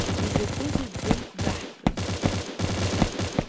Изакәызеи дзылхәдаҳтәыз?